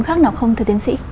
khác nào không thưa tiến sĩ